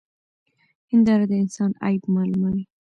هنداره د انسان عيب معلوموي.